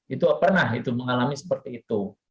itu pernah itu mengalami seperti itu